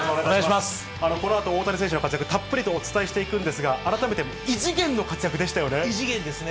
このあと大谷選手の活躍、たっぷりとお伝えしていただくんですが、改めて、異次元の活躍で異次元ですね。